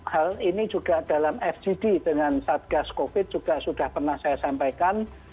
hal ini juga dalam fgd dengan satgas covid juga sudah pernah saya sampaikan